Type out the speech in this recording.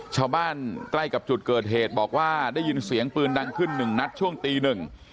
ชาวบ้านใกล้กับจุดเกิดเหตุบอกว่าได้ยินเสียงปืนดังขึ้นหนึ่งนัดช่วงตีหนึ่ง